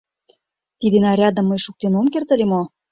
Тиде нарядым мый шуктен ом керт ыле мо?